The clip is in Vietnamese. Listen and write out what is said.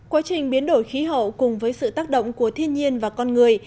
quá trình biến đổi khí hậu cùng với sự tác động của thiên nhiên và con người